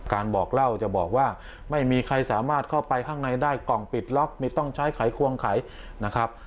บอกเล่าจะบอกว่าไม่มีใครสามารถเข้าไปข้างในได้กล่องปิดล็อกไม่ต้องใช้ไขควงไขนะครับ